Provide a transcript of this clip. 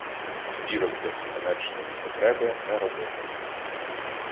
Збірок без конечної потреби не робити.